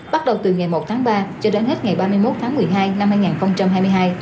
bắt đầu từ ngày một tháng ba cho đến hết ngày ba mươi một tháng một mươi hai năm hai nghìn hai mươi hai